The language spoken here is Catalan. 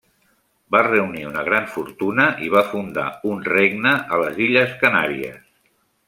Va reunir una gran fortuna i va fundar un regne a les Illes Canàries.